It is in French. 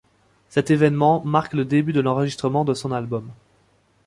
Cet événement marque le début de l´enregistrement de son album.